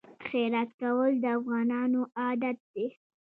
خیرات کول د افغانانو عادت دی.